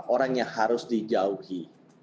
orang yang harus dijauhi